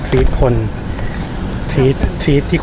ภาษาสนิทยาลัยสุดท้าย